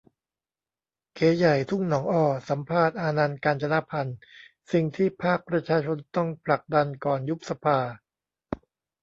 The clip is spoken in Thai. เก๋ใหญ่ ทุ่งหนองอ้อ สัมภาษณ์ อานันท์ กาญจนพันธุ์ :"สิ่งที่ภาคประชาชนต้องผลักดันก่อนยุบสภา"